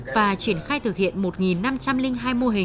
và triển khai thực hiện một năm trăm linh hai mô hình